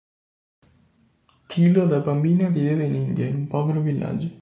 Tilo da bambina viveva in India, in un povero villaggio.